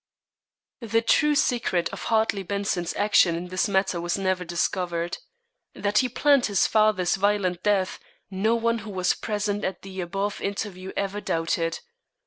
The true secret of Hartley Benson's action in this matter was never discovered. That he planned his father's violent death, no one who was present at the above interview ever doubted.